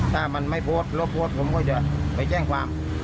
ถ้ามันไม่โพฆละโพฆผมก็จะไปแจ้งความ